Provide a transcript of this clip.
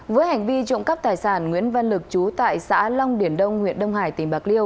với hành vi trộm cắp tài sản nguyễn văn lực chú tại xã long điển đông huyện đông hải tỉnh bạc liêu